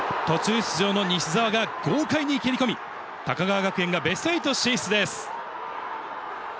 途中出場の西澤が豪快に蹴り込み、高川学園がベスト８進出です。